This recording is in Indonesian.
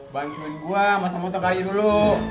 bantuin gue masak masak kayu dulu